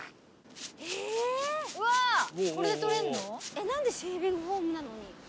えっ何でシェービングフォームなのに。